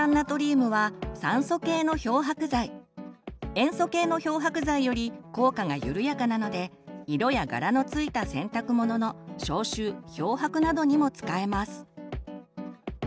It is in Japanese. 塩素系の漂白剤より効果が緩やかなので色や柄のついた洗濯物の消臭漂白などにも使えます。